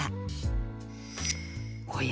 おや？